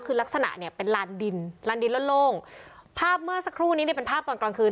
คือลักษณะเนี่ยเป็นลานดินลานดินโล่งภาพเมื่อสักครู่นี้เนี่ยเป็นภาพตอนกลางคืน